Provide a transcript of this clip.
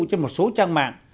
trên một số trang mạng